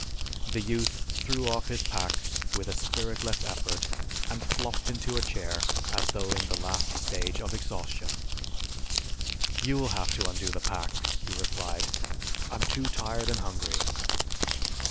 The youth threw off his pack with a spiritless effort and flopped into a chair as though in the last stage of exhaustion. "You'll have to undo the pack," he replied. "I'm too tired and hungry."